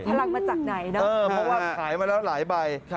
เอาพลังมาจากไหนนะเพราะว่าหายมาแล้วหลายใบ